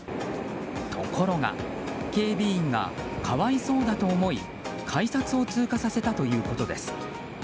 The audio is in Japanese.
ところが警備員が可哀想だと思い改札を通過させたということです。